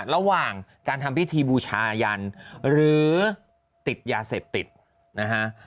ระหว่างการทำพิธีบูชายันหรือติดยาเสพติดนะฮะ